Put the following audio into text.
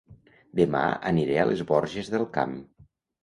Dema aniré a Les Borges del Camp